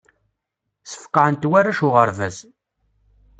Sfeqɛen-t warrac uɣerbaz.